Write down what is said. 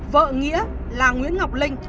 vợ nghĩa là nguyễn ngọc linh